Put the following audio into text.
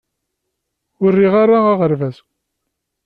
Ur riɣ ara aɣerbaz.